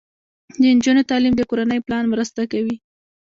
د نجونو تعلیم د کورنۍ پلان مرسته کوي.